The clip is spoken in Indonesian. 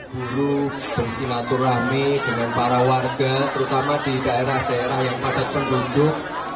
buruh bersilaturahmi dengan para warga terutama di daerah daerah yang padat penduduk